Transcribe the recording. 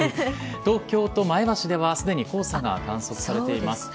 東京と前橋ではすでに黄砂が観測されています。